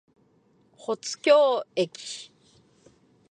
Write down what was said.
保津峡駅